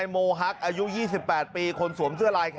จริงจริงจริงจริงจริง